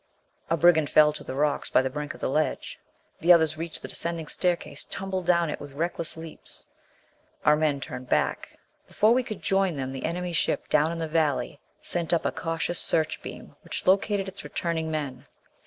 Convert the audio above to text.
A brigand fell to the rocks by the brink of the ledge. The others reached the descending staircase, tumbled down it with reckless leaps. Our men turned back. Before we could join them, the enemy ship down in the valley sent up a cautious searchbeam which located its returning men.